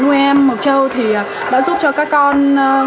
nuôi em mộc châu thì đã giúp cho các con